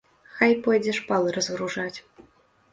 Хай пойдзе шпалы разгружаць.